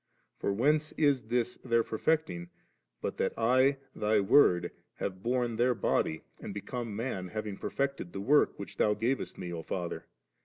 For whence is this their perfecting, but that I, Thy Word, having borne their body, and become num, have perfected the work, which Thou gavest Me, O Father?